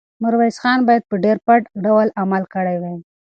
میرویس خان باید په ډېر پټ ډول عمل کړی وی.